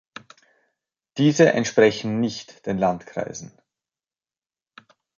Diese entsprechen nicht den Landkreisen.